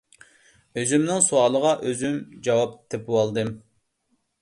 ئۆزۈمنىڭ سوئالىغا ئۆزۈم جاۋاب تېپىۋالدىم.